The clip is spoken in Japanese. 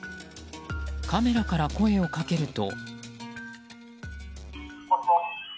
カメラから声をかけると。